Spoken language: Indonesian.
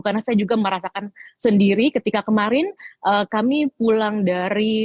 karena saya juga merasakan sendiri ketika kemarin kami pulang dari masjid